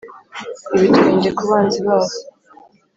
ibitwenge ku banzi babo